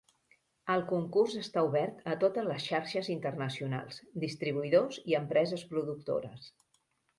El Concurs està obert a totes les xarxes internacionals, distribuïdors i empreses productores.